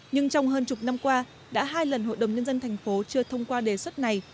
nhưng trong hơn chục năm qua đã hai lần hội đồng nhân dân thành phố chưa thông qua đề xuất này